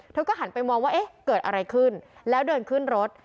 เธอก็หันไปมองว่าเอ๊ะเกิดอะไรขึ้นแล้วเดินขึ้นรถ